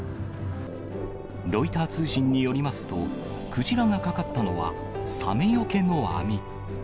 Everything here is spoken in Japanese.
ロイター通信によりますと、クジラがかかったのは、サメよけの網。